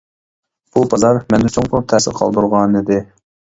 ئۇ بازار مەندە چوڭقۇر تەسىر قالدۇرغانىدى.